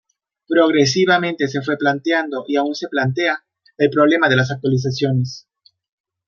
Progresivamente se fue planteando, y aún se plantea, el problema de las actualizaciones.